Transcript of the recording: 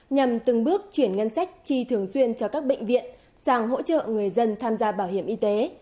nhằm từng bước chuyển ngân sách chi thường xuyên cho các bệnh viện sang hỗ trợ người dân tham gia bảo hiểm y tế